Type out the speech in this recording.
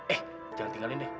eh jangan tinggalin deh